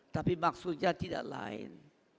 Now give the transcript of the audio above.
tapi maksudnya tidak lain